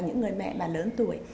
những người mẹ mà lớn tuổi